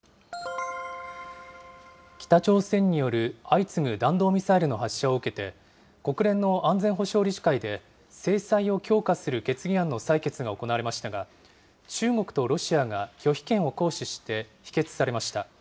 北朝鮮による、相次ぐ弾道ミサイルの発射を受けて、国連の安全保障理事会で、制裁を強化する決議案の採決が行われましたが、中国とロシアが拒否権を行使して否決されました。